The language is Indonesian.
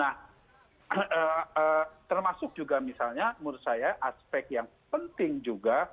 nah termasuk juga misalnya menurut saya aspek yang penting juga